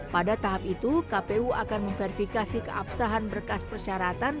pada tahap itu kpu akan memverifikasi keabsahan berkas persyaratan